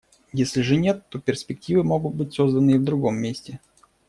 Если же нет, то перспективы могут быть созданы и в другом месте.